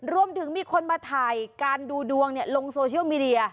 มีคนมาถ่ายการดูดวงลงโซเชียลมีเดีย